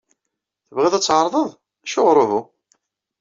Tebɣid ad tɛerḍed? Acuɣer uhu?